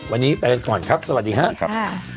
วันนี้ไปกันก่อนครับสวัสดีครับ